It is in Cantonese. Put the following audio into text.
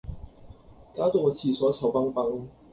攪到個廁所臭崩崩